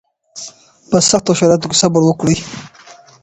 په سختو شرایطو کې صبر وکړئ